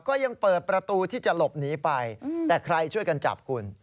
ก็ยังเปิดประตูที่จะหลบหนีไปแต่ใครช่วยกันจับคุณ